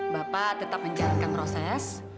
bapak tetap menjadikan proses